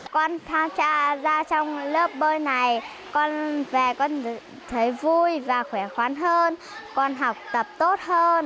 con tho cha ra trong lớp bơi này con về con thấy vui và khỏe khoắn hơn con học tập tốt hơn